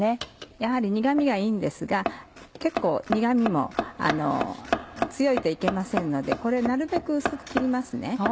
やはり苦味がいいんですが結構苦味も強いといけませんのでこれなるべく薄く切りますね。